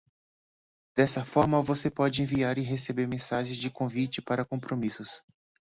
Dessa forma, você pode enviar e receber mensagens de convite para compromissos.